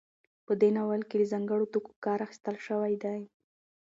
په دې ناول کې له ځانګړو توکو کار اخیستل شوی دی.